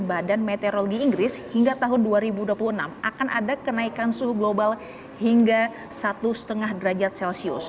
badan meteorologi inggris hingga tahun dua ribu dua puluh enam akan ada kenaikan suhu global hingga satu lima derajat celcius